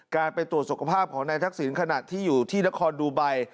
การไปตรวจสุขภาพของนายทักศิลป์ขนาดที่อยู่ที่ละครดูไบ